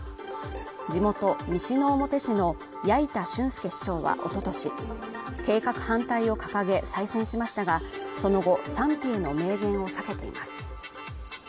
地元西之表市の八板俊輔市長はおととし計画反対を掲げ再選しましたがその後賛否への明言を避けています